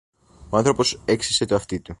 Ο άνθρωπος έξυσε το αυτί του